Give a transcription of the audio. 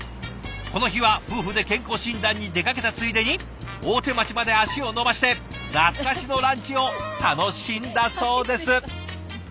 この日は夫婦で健康診断に出かけたついでに大手町まで足を延ばして懐かしのランチを楽しんだそうです。